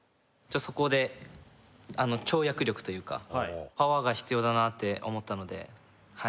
そこであの跳躍力というかパワーが必要だなって思ったのでは